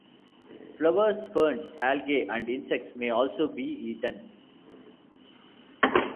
Flowers, ferns, algae and insects may also be eaten.